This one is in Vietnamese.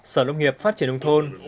sở nông nghiệp phát triển đông thôn